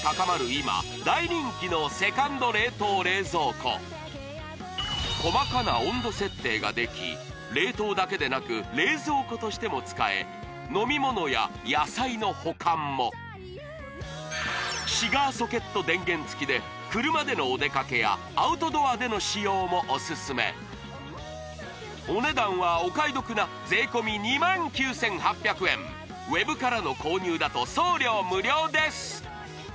今大人気のセカンド冷凍冷蔵庫細かな温度設定ができ冷凍だけでなく冷蔵庫としても使え飲み物や野菜の保管もシガーソケット電源付きで車でのお出かけやアウトドアでの使用もオススメお値段はお買い得な税込２９８００円ＷＥＢからの購入だと送料無料です